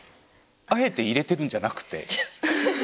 あえて入れてるんじゃなくて？